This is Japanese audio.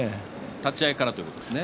立ち合いからということですね。